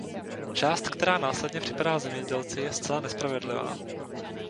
Část, která následně připadá zemědělci, je zcela nespravedlivá.